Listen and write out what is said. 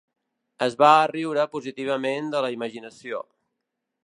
Es va riure positivament de la imaginació.